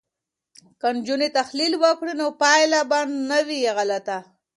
که نجونې تحلیل وکړي نو پایله به نه وي غلطه.